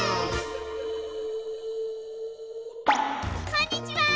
こんにちは！